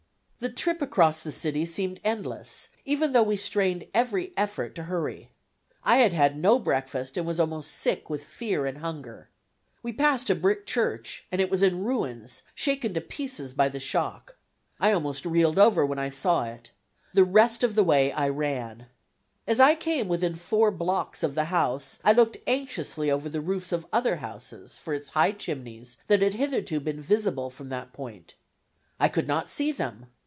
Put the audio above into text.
The trip across the city seemed endless, even though we strained every effort to hurry. I had had no breakfast, and was almost sick with fear and hunger. We passed a brick church, and it was in ruins, shaken to pieces by the shock. I almost reeled over when I saw it. The rest of the way I ran. As I came within four blocks of the house I looked anxiously over the roofs of other houses for its high chimneys that had hitherto been visible from that point. I could not see them!